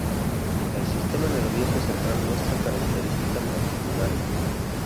El sistema nervioso central muestra características particulares.